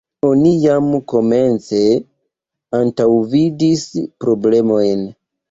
Oni jam komence antaŭvidis problemojn.